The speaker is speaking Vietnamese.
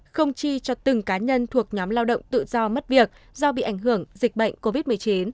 không chi cho từng cá nhân thuộc nhóm lao động tự do mất việc do bị ảnh hưởng dịch bệnh covid một mươi chín